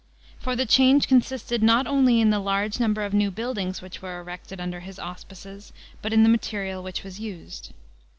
For the change consisted not only in the large number of new buildings which were erected under his auspices, but in the material which was used.